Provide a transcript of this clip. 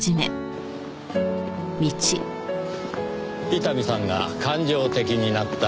伊丹さんが感情的になった理由。